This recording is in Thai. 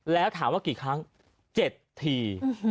แล้วถามว่ากี่ครั้ง๗ที